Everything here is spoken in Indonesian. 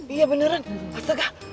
iya beneran astaga